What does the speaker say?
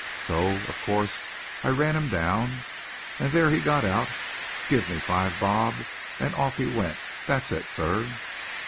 So, of course, I ran him down, and there he got out, give me five bob, and off he went. That's it, sir."